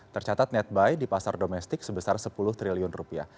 tercatat netbuy di pasar domestik sebesar sepuluh triliun rupiah